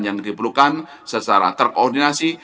yang diperlukan secara terkoordinasi